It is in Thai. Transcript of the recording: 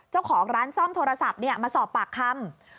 เจ้าของร้านซ่อมโทรศัพท์มาสอบปากคำ